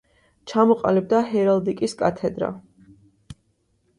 ჩამოყალიბდა ჰერალდიკის კათედრა.